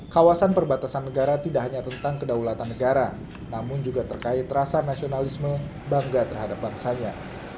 kawasan perbatasan negara tidak hanya tentang kedaulatan negara namun juga terkait rasa nasionalisme bangga terhadap bangsanya